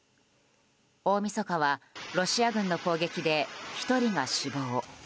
大みそかはロシア軍の攻撃で１人が死亡。